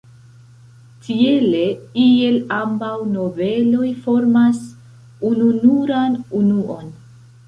Tiele iel ambaŭ noveloj formas ununuran unuon.